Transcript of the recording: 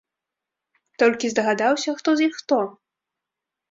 Толькі здагадаўся хто з іх хто?